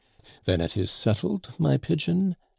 "Then it is settled, my pigeon?"